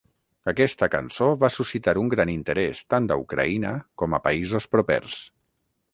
Aquesta cançó va suscitar un gran interès tant a Ucraïna com a països propers.